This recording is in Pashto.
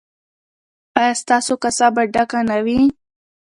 ایا ستاسو کاسه به ډکه نه وي؟